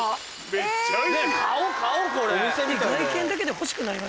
めっちゃいい。